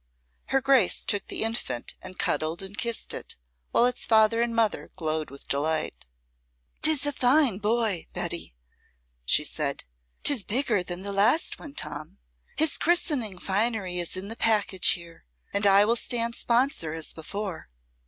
Her Grace took the infant and cuddled and kissed it, while its father and mother glowed with delight. "Tis a fine boy, Betty," she said. "'Tis bigger than the last one, Tom. His christening finery is in the package here, and I will stand sponsor as before."